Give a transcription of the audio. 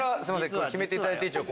決めていただいて一応。